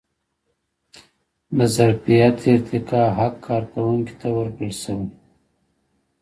د ظرفیت ارتقا حق کارکوونکي ته ورکړل شوی.